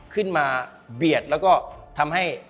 ขึ้นมาเบียดแล้วก็ทำให้